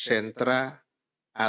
kemenpun kemenpun kemenpun kemenpun